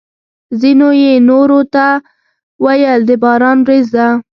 ځینو یې نورو ته ویل: د باران ورېځ ده!